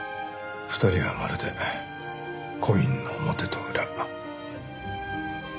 ２人はまるでコインの表と裏。